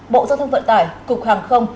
bộ giao thông vận tải cục hàng không